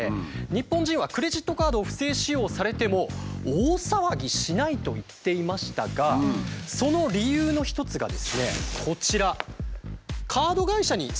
「日本人はクレジットカードを不正使用されても大騒ぎしない」と言っていましたがその理由の一つがですねこちら。